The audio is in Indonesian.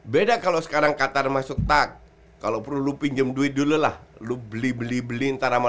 beda kalau sekarang qatar masuk tak kalau perlu lo pinjam duit dulu lah lu beli beli beli ntar